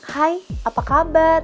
hai apa kabar